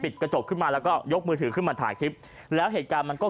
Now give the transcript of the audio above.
กระจกขึ้นมาแล้วก็ยกมือถือขึ้นมาถ่ายคลิปแล้วเหตุการณ์มันก็